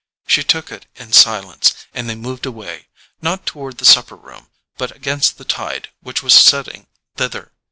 She took it in silence, and they moved away, not toward the supper room, but against the tide which was setting thither.